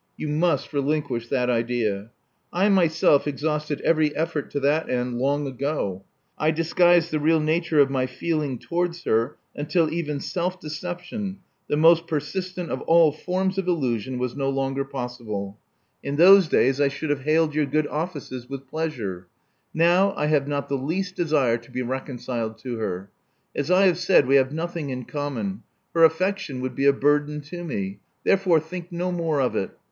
You must relinquish that idea. I myself exhausted every effort to that end long ago. I dis guised the real nature of my feeling towards her until even self deception, the most persistent of all forms of illusion, was no longer possible. In those days I Love Among the Artists 47 shonld have hailed your good offices with pleasure. Now I have not the least desire to be reconciled to her. As I have said, we have nothing in common: her aflEection would be a burden to me. Therefore think no more of it.